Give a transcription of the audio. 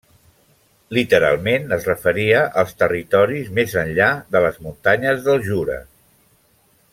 Literalment es referia als territoris més enllà de les muntanyes del Jura.